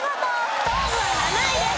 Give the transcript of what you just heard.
ストーブは７位です。